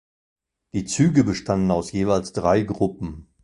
Die Züge bestanden aus jeweils drei Gruppen.